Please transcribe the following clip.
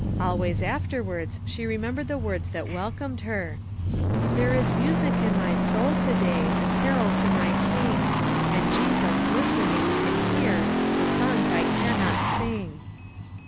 Always afterwards she remembered the words that welcomed her " There is music in my soul to day, A carol to my King; And Jesus, listening, can hear The songs I can not sing."